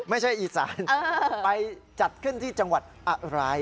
ไม่ใช่อีสานไปจัดขึ้นที่จังหวัดอะไร